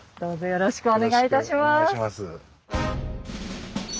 よろしくお願いします。